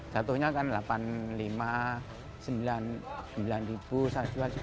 satunya kan rp delapan puluh lima rp sembilan saya jual rp sepuluh